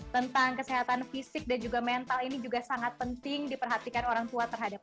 tentang kesehatan fisik dan juga mental ini juga sangat penting diperhatikan orang tua terhadap